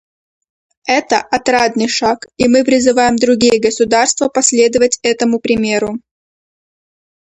Это — отрадный шаг, и мы призываем другие государства последовать этому примеру.